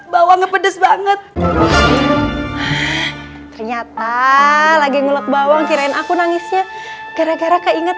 bawangnya pedes banget ternyata lagi ngulet bawang kirain aku nangisnya gara gara keinget